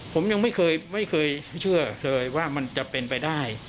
ผมยังไม่เคยเชื่อเลยว่ามันจะเป็นไปได้